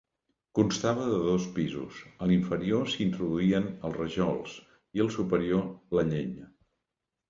Constava de dos pisos: a l'inferior s'hi introduïen els rajols, i al superior la llenya.